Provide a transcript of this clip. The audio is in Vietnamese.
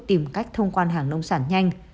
tìm cách thông quan hàng nông sản nhanh